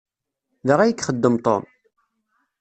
Da ay ixeddem Tom?